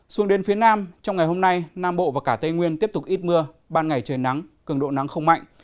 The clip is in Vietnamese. xuống đến phía nam trong ngày hôm nay nam bộ và cả tây nguyên tiếp tục ít mưa ban ngày trời nắng cường độ nắng không mạnh